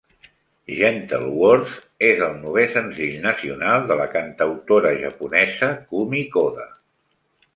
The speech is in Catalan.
"Gentle Words" és el novè senzill nacional de la cantautora japonesa Kumi Koda.